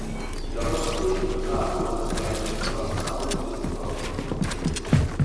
Der Europäische Rat wurde für eine entschlossene Ausrichtung auf die Zukunft genutzt.